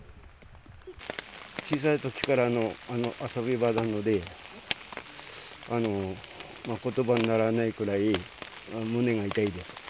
小さいときからの遊び場なので、ことばにならないくらい、胸が痛いです。